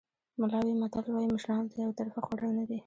ملاوي متل وایي مشرانو ته یو طرفه خوړل نه دي.